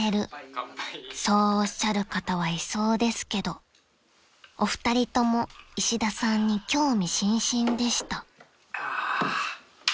［そうおっしゃる方はいそうですけどお二人とも石田さんに興味津々でした］